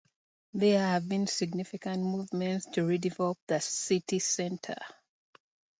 There have been significant movements to redevelop the city centre.